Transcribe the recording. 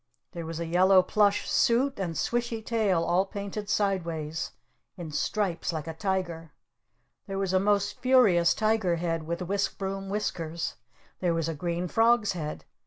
There was a yellow plush suit and swishy tail all painted sideways in stripes like a tiger! There was a most furious tiger head with whisk broom whiskers! There was a green frog's head!